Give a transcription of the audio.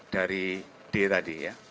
dari d tadi ya